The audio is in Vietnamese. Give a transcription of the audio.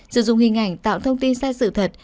sử dụng hình ảnh tạo thông tin sai sự thật